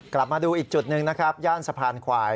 กลับมาดูอีกจุดหนึ่งนะครับย่านสะพานควาย